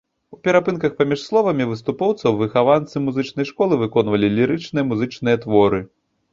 У перапынках паміж словамі выступоўцаў выхаванцы музычнай школы выконвалі лірычныя музычныя творы.